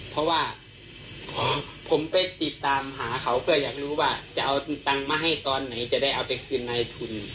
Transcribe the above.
เพราะว่าผมไปติดตามหาเขาเพื่ออยากรู้ว่าจะเอาตังค์มาให้ตอนไหนจะได้เอาไปคืนในทุน